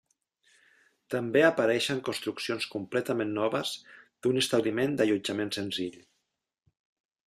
També apareixen construccions completament noves d’un establiment d’allotjament senzill.